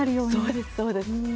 そうですそうです。